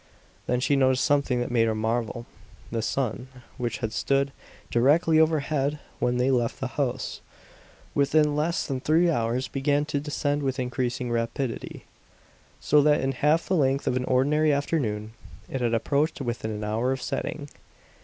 Then she noticed something that made her marvel. The sun, which had stood directly overhead when they left the house, within less than three hours began to descend with increasing rapidity; so that in half the length of an ordinary afternoon it had approached to within an hour of setting.